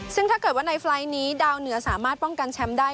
ซึ่งถ้าเกิดว่าในไฟล์ทนี้ดาวเหนือสามารถป้องกันแชมป์ได้